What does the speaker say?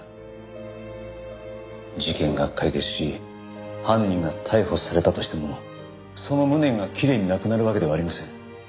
事件が解決し犯人が逮捕されたとしてもその無念がきれいになくなるわけではありません。